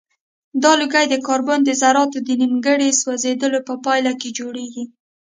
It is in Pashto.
دا لوګی د کاربن د ذراتو د نیمګړي سوځیدلو په پایله کې جوړیږي.